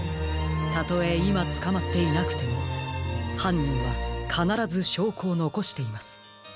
たとえいまつかまっていなくてもはんにんはかならずしょうこをのこしています。